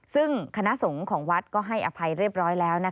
ซึ่งคณะสงฆ์ของวัดก็ให้อภัยเรียบร้อยแล้ว